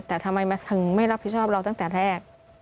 แต่ทำไมถึงไม่รับผิดชอบเราตั้งแต่แรก